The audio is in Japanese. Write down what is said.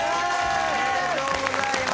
ありがとうございます！